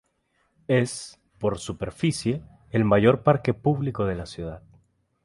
Es, por superficie, el mayor parque público de la ciudad.